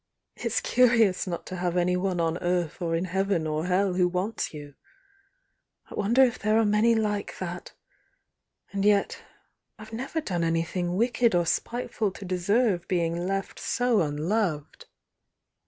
"It's curious not to have anyone on earth or in heaven or hell who wants you ! I wonder if there are many like that! And yet — I've never done any thing wicked or spiteful to deserve being left so un loved."